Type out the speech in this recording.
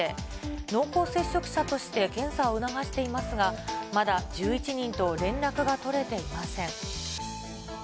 濃厚接触者として検査を促していますが、まだ１１人と連絡が取れていません。